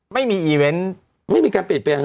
ไม่มีอีเวนท์ไม่มีการปิดเปลี่ยน